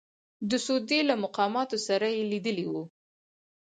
د سعودي له مقاماتو سره یې لیدلي وو.